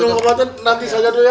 ma minum obatnya nanti saja dulu ya